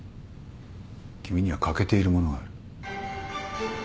君には欠けているものがある。